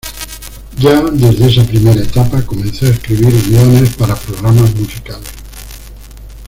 Ya desde esa primera etapa comenzó a escribir guiones para programas musicales.